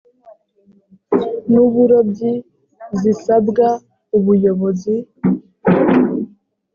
n’uburobyi zisabwa ubuyobozi